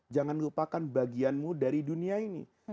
jangan lupakan bagianmu dari dunia ini